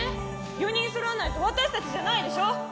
四人そろわないと私たちじゃないでしょ。